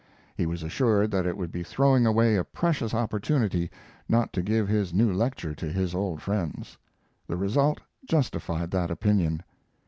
He was assured that it would be throwing away a precious opportunity not to give his new lecture to his old friends. The result justified that opinion.